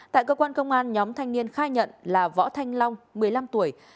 tại cơ quan công an nhóm thanh niên khai nhận là võ thanh long một mươi năm tuổi